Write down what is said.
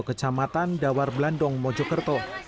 kecamatan dawara blandong mojokerto